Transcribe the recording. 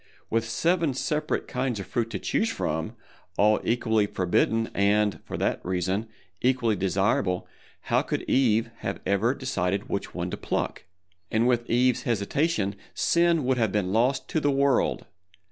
With seven separate kinds of fruit to choose from, all equally forbidden and, for that reason, equally desirable, how could Eve ever have decided which one to pluck? And with Eve's hesitation Sin would have been lost to the world!